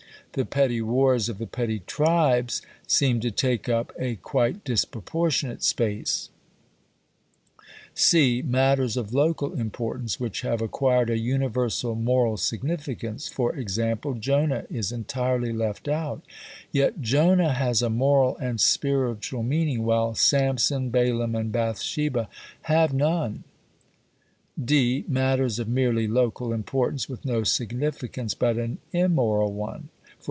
The petty wars of the petty tribes seem to take up a quite disproportionate space); (c) matters of local importance, which have acquired a universal moral significance (e.g. Jonah is entirely left out: yet Jonah has a moral and spiritual meaning, while Samson, Balaam and Bathsheba have none); (d) matters of merely local importance, with no significance but an immoral one (_e.